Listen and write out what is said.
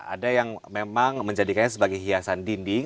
ada yang memang menjadikannya sebagai hiasan dinding